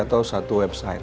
atau satu website